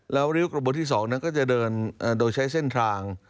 แล้วริ้วกระบวนที่๒นั้นก็จะเดินโดยใช้เส้นทาง